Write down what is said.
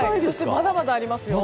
まだまだありますよ。